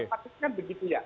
tapi kan begitu ya